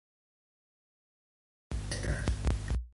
Algunes d'estes.